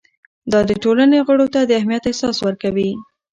دا د ټولنې غړو ته د اهمیت احساس ورکوي.